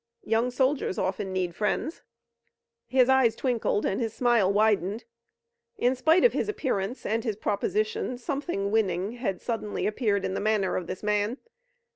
Young soldiers often need friends." His eyes twinkled and his smile widened. In spite of his appearance and his proposition, something winning had suddenly appeared in the manner of this man.